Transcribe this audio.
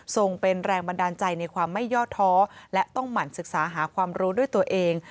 ส่งเป็นแรงบันดาลใจในความไม่ยอดท้อและต้องหมั่นศึกษาหาความรู้ด้วยตัวเอง